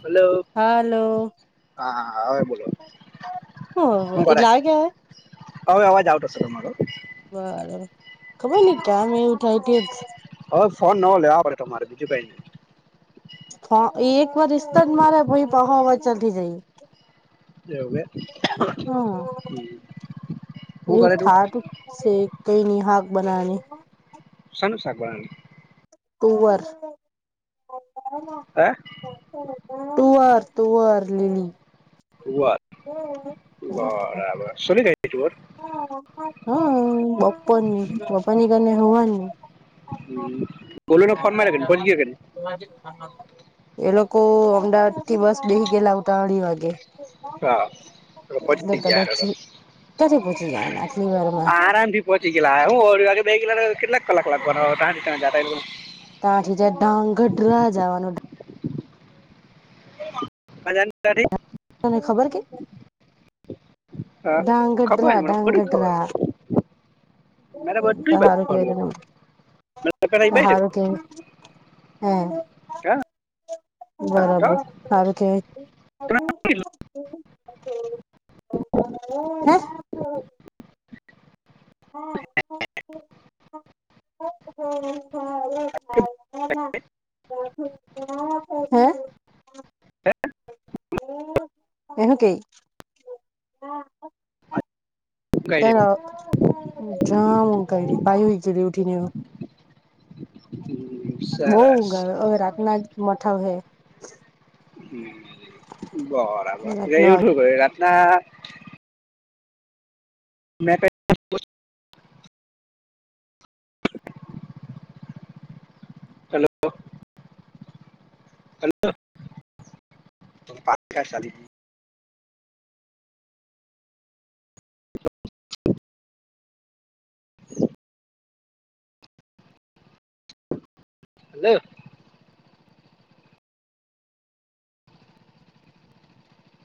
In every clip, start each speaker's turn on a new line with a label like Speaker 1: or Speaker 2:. Speaker 1: Hello.
Speaker 2: હાલો.
Speaker 1: હા હવે બોલ.
Speaker 2: હ એ લાગ્યા.
Speaker 1: અવે અવાજ આવતો સે તમારો.
Speaker 2: બરો ખબર નઈ કેમ એવું થાય તે જ.
Speaker 1: હવે ફોન નવો લેવા પડે તમારે બીજું કાઈ ની.
Speaker 2: ફો એ એક વાર રિસ્તો જ મારે પહી પાહો અવાજ ચાલુ થઇ જાય.
Speaker 1: લે હવે.
Speaker 2: હા
Speaker 1: હુ કરે તુ?
Speaker 2: સે કઈ ની હાક બનાવાની.
Speaker 1: શેનું શાક બનાવાની?
Speaker 2: તુવર.
Speaker 1: હે
Speaker 2: તુઅર તુઅર લિલી
Speaker 1: તુવર બરાબર સોલી કાયઢી તુવર?
Speaker 2: હમ્મ બપોરની પપ્પા ની કઈને હવાય ની
Speaker 1: હમ્મ, ભોલુ ને ફોન માયરો કે ની પોચી ગીયો કે ની.
Speaker 2: હું આજે એ લોકો અમદાવાદ થી બસ બેહી ગેલા ઉતા અઢી વાગે.
Speaker 1: હા એ [unintelligible]
Speaker 2: કયાથી પોહચી જવાના આટલી વાર માં.
Speaker 1: આરામ થી પોહોંચિ ગેલા હું અઢી વાગે બેહી ગેલા કેટલા કલાક લગવાના તાથી જતા એ લોકો ને.
Speaker 2: તાઠી જ ટાંગઢરા જાવાનું.
Speaker 1: [unintelligible]
Speaker 2: તને ખબર કે?
Speaker 1: હા ખબર
Speaker 2: ઢાંગડ્રા..
Speaker 1: છે મને બધું જ ખબર
Speaker 2: ઢાંગડ્રા...
Speaker 1: મારે
Speaker 2: ત
Speaker 1: બધું જ
Speaker 2: હારુ
Speaker 1: ખબર
Speaker 2: કેવાય
Speaker 1: મેં પેલા ઈ
Speaker 2: તો હારુ કે હમ્મ.
Speaker 1: કયાં?
Speaker 2: બરાબર, હારુ કેવાય. [unintelligible] હે! હમ્મ.
Speaker 1: [unintelligible]
Speaker 2: [unintelligible] [unintelligible] એનું કેઈ [unintelligible] ત
Speaker 1: તો
Speaker 2: જામ કઈરી પાઈ હોજડી ઉઠી ને
Speaker 1: હમ
Speaker 2: બોઉ
Speaker 1: સરસ
Speaker 2: ઊંઘાવે હવે રાતના જ મઠા વહે.
Speaker 1: હ બરાબર એ
Speaker 2: રાતનો
Speaker 1: એવું થુંય રાતના મેં ત. હલો [unintelligible] પ [unintelligible] હલો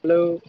Speaker 1: હલો